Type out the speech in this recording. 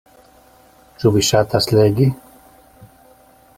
Ĉu vi ŝatas legi?